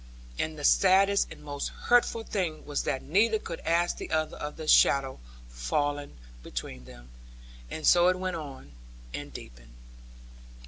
And the saddest and most hurtful thing was that neither could ask the other of the shadow falling between them. And so it went on, and deepened.